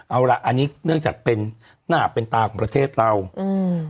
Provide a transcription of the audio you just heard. เอาล่ะอันนี้เนื่องจากเป็นหน้าเป็นตาของประเทศเราอืม